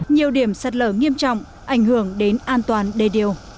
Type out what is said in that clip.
nhiều điểm sạt lở nghiêm trọng ảnh hưởng đến an toàn đề điều